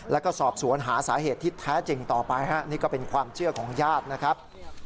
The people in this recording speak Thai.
แล้วก็สอบสวนหาสาเหตุที่แท้จริงต่อไปฮะนี่ก็เป็นความเชื่อของญาตินะครับ